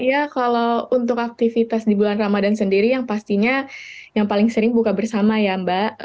ya kalau untuk aktivitas di bulan ramadhan sendiri yang pastinya yang paling sering buka bersama ya mbak